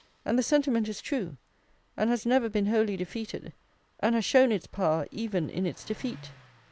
And the sentiment is true, and has never been wholly defeated, and has shown its power even in its defeat.